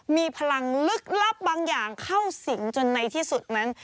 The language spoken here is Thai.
มีพลังลึกลับบางอย่างเข้าสิงจนในที่สุดนั้น